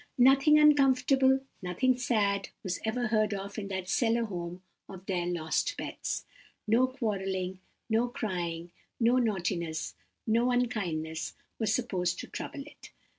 Nothing uncomfortable, nothing sad, was ever heard of in that cellar home of their lost pets. No quarrelling, no crying, no naughtiness, no unkindness, were supposed to trouble it.